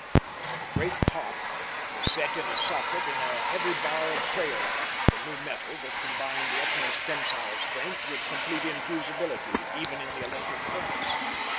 The great top was set in a socket in a heavy bar of craolite, the new metal that combined the utmost tensile strength with complete infusibility, even in the electric furnace.